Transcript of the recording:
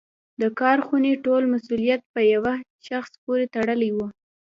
د کارخونې ټول مسوولیت په یوه شخص پورې تړلی و.